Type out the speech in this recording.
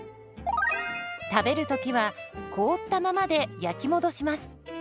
食べる時は凍ったままで焼き戻します。